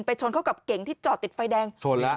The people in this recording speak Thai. ไปชนเข้ากับเกงที่จอดติดไฟแดง